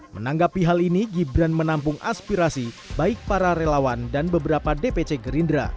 menanggapi hal ini gibran menampung aspirasi baik para relawan dan beberapa dpc gerindra